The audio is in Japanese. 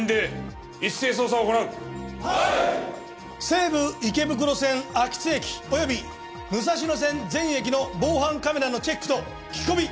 西武池袋線秋津駅および武蔵野線全駅の防犯カメラのチェックと聞き込み。